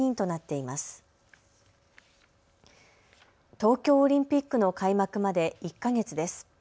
東京オリンピックの開幕まで１か月です。